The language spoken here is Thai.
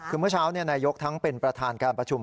คือเมื่อเช้านายกทั้งเป็นประธานการประชุม